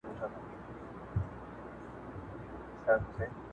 او فعاليت ستاينه نه ده کړي